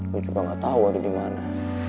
lu juga gak tau ada dimana